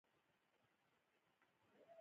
د غوږ د غږونو لپاره باید څه شی وکاروم؟